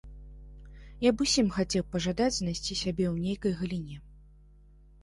Я б усім хацеў пажадаць знайсці сябе ў нейкай галіне.